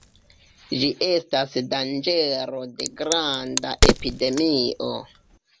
Ĝi estas danĝero de granda epidemio.